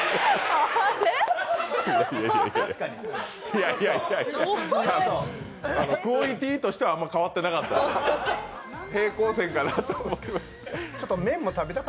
いやいやクオリティーとしてはあまり変わってなかった平行線かなと思いました。